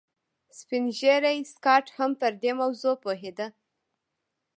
سپین ږیری سکاټ هم پر دې موضوع پوهېده